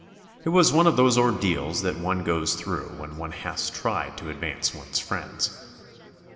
It was one of those ordeals that one goes through when one has tried to advance one's friends.